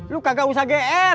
lu kagak usah gr